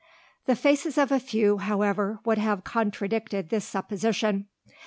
The faces of a few, however, would have contradicted this supposition.